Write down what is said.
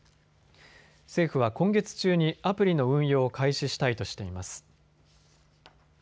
政府は今月中にアプリの運用を開始したいとしています。